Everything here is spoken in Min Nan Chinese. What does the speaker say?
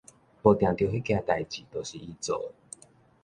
無定著彼件代誌就是伊做的